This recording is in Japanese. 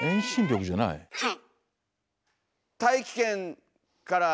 はい。